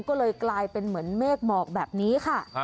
ก็เลยกลายเป็นเหมือนเมฆหมอกแบบนี้ค่ะ